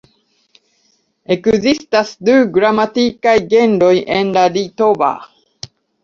Ekzistas du gramatikaj genroj en la litova.